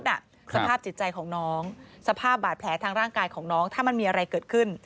สภาพจิตใจของน้องสภาพบาดแผลทางร่างกายของน้องถ้ามันมีอะไรเกิดขึ้น